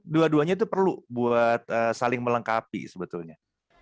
dua duanya itu perlu buat saling melengkapi sebetulnya